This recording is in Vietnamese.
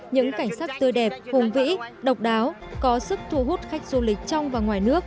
những cảnh sắc tươi đẹp hùng vĩ độc đáo có sức thu hút khách du lịch trong và ngoài nước